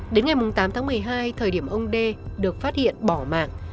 đến ngày tám tháng một mươi hai thời điểm ông đê được phát hiện bỏ mạng